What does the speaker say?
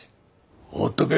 ほっとけ